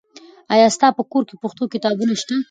آیا ستا په کور کې پښتو کتابونه سته؟